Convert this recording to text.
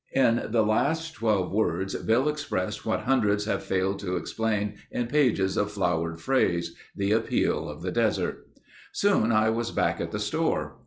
In the last twelve words Bill expressed what hundreds have failed to explain in pages of flowered phrase—the appeal of the desert. Soon I was back at the store.